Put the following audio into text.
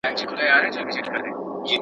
ښه خلک د ظالم مخه نیسي.